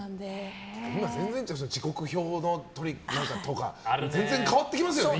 時刻表のトリックとか全然、今は変わってきますよね。